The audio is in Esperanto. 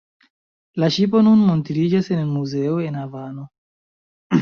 La ŝipo nun montriĝas en muzeo en Havano.